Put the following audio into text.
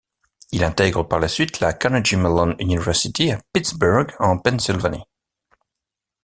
Il intègre par la suite la Carnegie Mellon University à Pittsburgh, en Pennsylvanie.